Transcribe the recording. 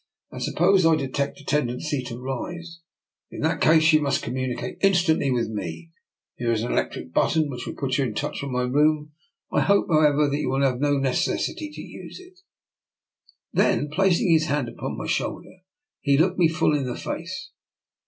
" And suppose I detect a tendency to rise? "" In that case you must communicate in stantly with me. Here is an electric button 1 86 DR. NIKOLA'S EXPERIMENT. which will put you in touch with my room. I hope, however, that you will have no neces sity to use it." Then, placing his hand upon my shoulder, he looked me full in the face.